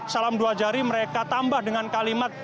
salam dua jari mereka tambah dengan kalimat